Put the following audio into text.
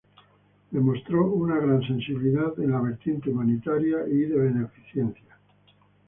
Demostró una gran sensibilidad en la vertiente humanitaria y de beneficencia.